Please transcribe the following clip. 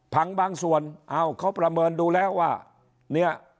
บางส่วนเอ้าเขาประเมินดูแล้วว่าเนี่ย